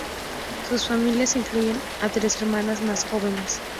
Sus familia incluyen a tres hermanas más jóvenes.